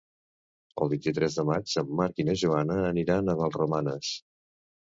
El vint-i-tres de maig en Marc i na Joana aniran a Vallromanes.